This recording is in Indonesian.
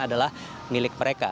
adalah milik mereka